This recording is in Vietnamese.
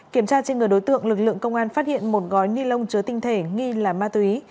kiểm tra trên người đối tượng lực lượng công an phát hiện một gói ni lông chứa tinh thể nghi là ma túy